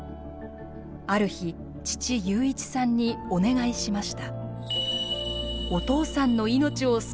ある日父祐一さんにお願いしました。